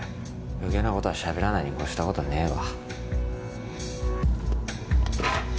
余計な事はしゃべらないに越した事ねえわ。